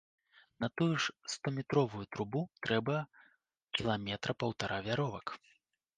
На тую ж стометровую трубу трэба кіламетра паўтара вяровак.